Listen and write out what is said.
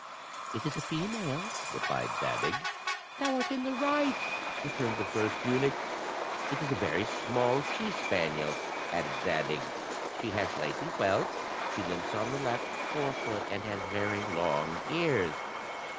"It is a female," replied Zadig. "Thou DEDUCTION 89 art in the right," returned the first eunuch. " It is a very small she spaniel," added Zadig; "she has lately whelped; she limps on the left forefoot, and has very long ears."